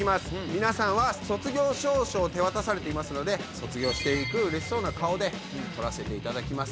皆さんは卒業証書を手渡されていますので卒業していくうれしそうな顔で撮らせていただきます。